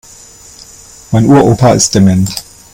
Mein Uropa ist dement.